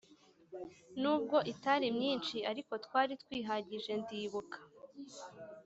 nubwo itari myinshi ariko twari twihagije ndibuka